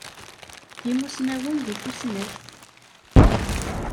D imussnawen deg tussnakt.